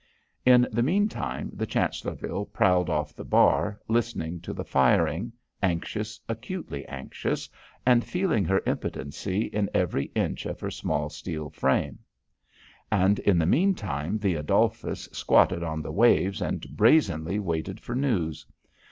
In the meantime, the Chancellorville prowled off the bar, listening to the firing, anxious, acutely anxious, and feeling her impotency in every inch of her smart steel frame. And in the meantime, the Adolphus squatted on the waves and brazenly waited for news.